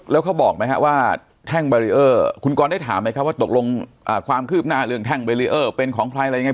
แล้วเขาบอกไหมฮะว่าแท่งบารีเออร์คุณกรได้ถามไหมครับว่าตกลงความคืบหน้าเรื่องแท่งเบรีเออร์เป็นของใครอะไรยังไง